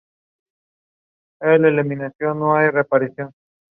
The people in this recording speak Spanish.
Sin embargo Warren ganó la demanda.